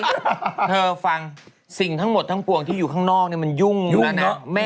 เธอฟังสิ่งทั้งหมดทั้งปวงที่อยู่ข้างนอกเนี่ยมันยุ่งอยู่นะ